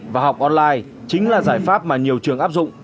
và học online chính là giải pháp mà nhiều trường áp dụng